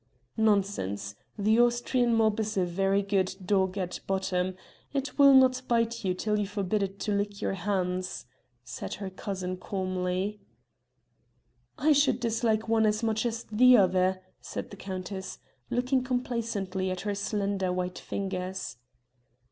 "Nonsense! The Austrian mob is a very good dog at bottom; it will not bite till you forbid it to lick your hands," said her cousin calmly. "I should dislike one as much as the other," said the countess, looking complacently at her slender white fingers.